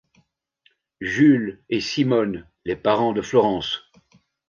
Jules et Simone, les parents de Florence.